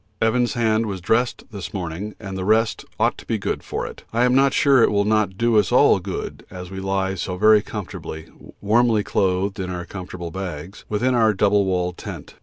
Evans' hand was dressed this morning, and the rest ought to be good for it. I am not sure it will not do us all good as we lie so very comfortably, warmly clothed in our comfortable bags, within our double walled tent.